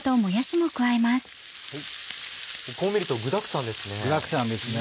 こう見ると具だくさんですね。